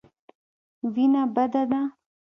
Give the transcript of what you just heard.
وېنه بده ده.